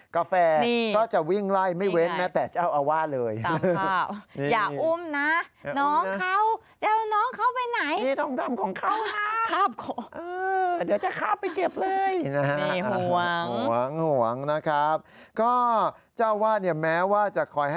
กาแฟก็จะวิ่งไล่ไม่เว้นแม้แต่เจ้าอาวาสเลย